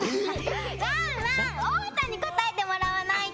ワンワンおうちゃんにこたえてもらわないと！